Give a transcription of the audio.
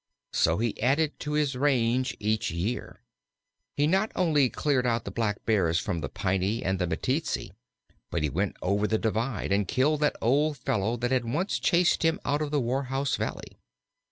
So he added to his range each year. He not only cleared out the Blackbears from the Piney and the Meteetsee, but he went over the Divide and killed that old fellow that had once chased him out of the Warhouse Valley.